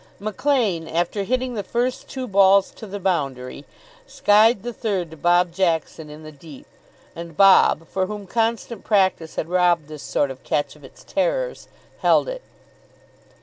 Maclaine, after hitting the first two balls to the boundary, skied the third to Bob Jackson in the deep, and Bob, for whom constant practice had robbed this sort of catch of its terrors, held it.